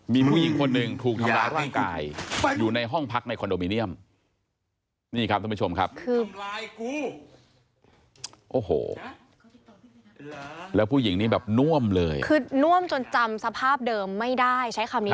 มีผู้หญิงคนหนึ่งถูกทำลายร่างกาย